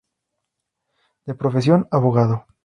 De profesión abogado.